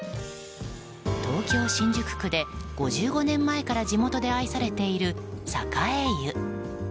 東京・新宿区で５５年前から地元で愛されている栄湯。